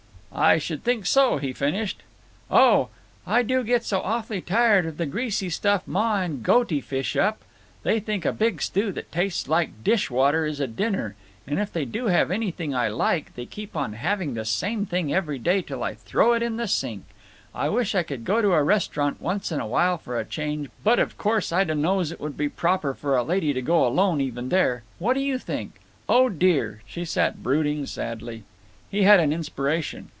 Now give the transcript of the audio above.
"I should think so," he finished. "Oh!… I do get so awfully tired of the greasy stuff Ma and Goaty dish up. They think a big stew that tastes like dish water is a dinner, and if they do have anything I like they keep on having the same thing every day till I throw it in the sink. I wish I could go to a restaurant once in a while for a change, but of course—I dunno's it would be proper for a lady to go alone even there. What do you think? Oh dear!" She sat brooding sadly. He had an inspiration.